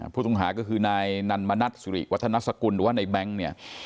ผู้ต้องหาก็คือนายนันมณัฐสุริวัฒนสกุลหรือว่าในแบงค์เนี่ย